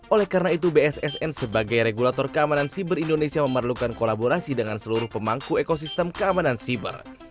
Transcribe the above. oleh karena itu bssn sebagai regulator keamanan siber indonesia memerlukan kolaborasi dengan seluruh pemangku ekosistem keamanan siber